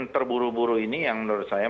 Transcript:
terburu buru ini yang menurut saya